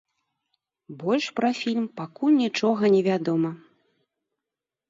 Больш пра фільм пакуль нічога не вядома.